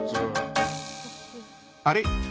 あれ？